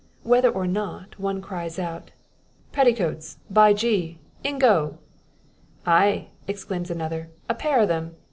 Whether or not one cries out "Petticoats, by gee ingo!" "Ay!" exclaims another, "a pair o' them.